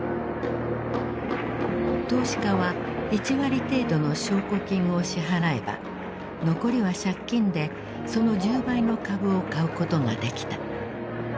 投資家は１割程度の証拠金を支払えば残りは借金でその１０倍の株を買うことができた。